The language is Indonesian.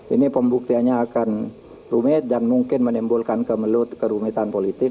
ini pembuktiannya akan rumit dan mungkin menimbulkan kemelut kerumitan politik